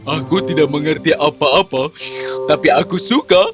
aku tidak mengerti apa apa tapi aku suka